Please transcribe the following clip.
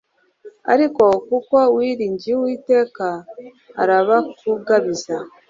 Ariko kuko wiringiye Uwiteka arabakugabiza